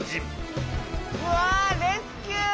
うわあレスキュー！